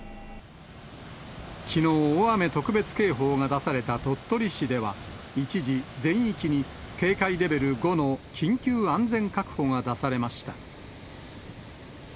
きのう、大雨特別警報が出された鳥取市では、一時全域に警戒レベル５の緊急安全確保が出されました。